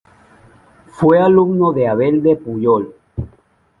Fue alumno de Abel de Pujol.